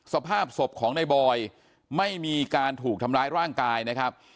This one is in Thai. สภาพศพของในบอยไม่มีการถูกทำร้ายร่างกายนะครับ